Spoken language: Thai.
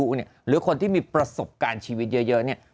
หรือคนที่มีประสบการณ์ชีวิตเยอะเนี่ย